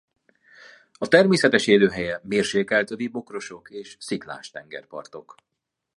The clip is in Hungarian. A természetes élőhelye mérsékelt övi bokrosok és sziklás tengerpartok.